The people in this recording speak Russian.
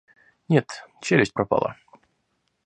Нет, челюсть пропала.